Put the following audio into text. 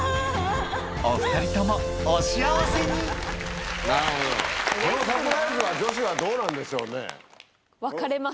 お２人ともお幸せになるほどこのサプライズは女子はどうなんでしょうね？